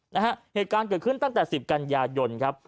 เหตุการณ์เกิดขึ้นตั้งแต่สิบกันยายนครับ